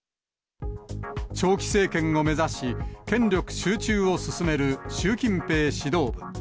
長期政権を目指し、権力集中を進める習近平指導部。